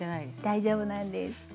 大丈夫なんです。